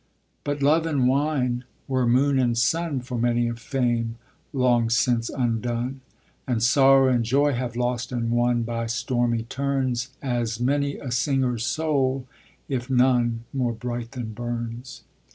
But love and wine were moon and sun For many a fame long since undone, And sorrow and joy have lost and won By stormy turns As many a singer's soul, if none More bright than Burns.